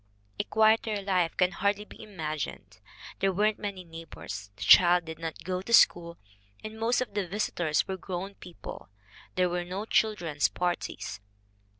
A quieter life can hardly be imagined. There weren't many neighbors, the children did not go to school, most of the visitors were grown people, there were no children's parties.